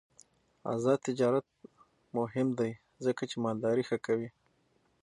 آزاد تجارت مهم دی ځکه چې مالداري ښه کوي.